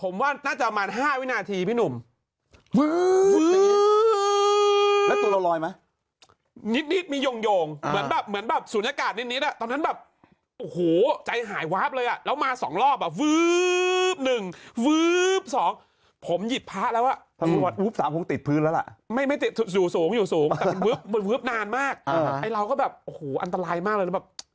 มันก็ดีนะเขาเปิดจังหวะที่วื้อแบบ